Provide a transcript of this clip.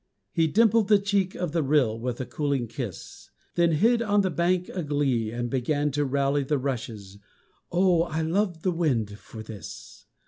He dimpled the cheek of the rill With a cooling kiss. Then hid on the bank a glee And began to rally The rushes Oh, I love the wind for this!